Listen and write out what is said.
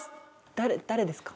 誰誰ですか？